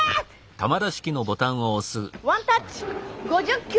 ワンタッチ５０球！